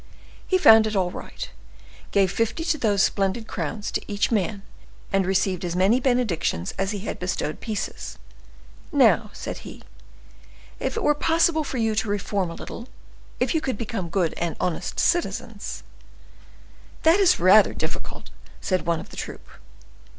He found it all right, gave fifty of those splendid crowns to each man, and received as many benedictions as he bestowed pieces. "Now," said he, "if it were possible for you to reform a little, if you could become good and honest citizens—" "That is rather difficult," said one of the troop.